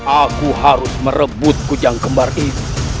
aku harus merebut kujang kembar ini